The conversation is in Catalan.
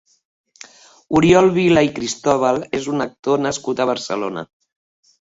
Oriol Vila i Cristóbal és un actor nascut a Barcelona.